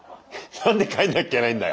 何で帰んなきゃいけないんだよ。